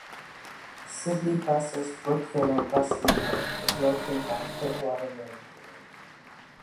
Sydney Buses' Brookvale Bus Depot is located on Pittwater Road.